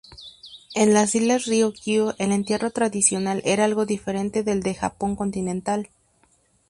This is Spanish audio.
En las islas Ryukyu, el entierro tradicional era algo diferente del de Japón continental.